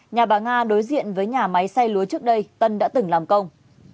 nhà bà nga đối diện với nhà máy xay lúa trước đây tân đã từng làm công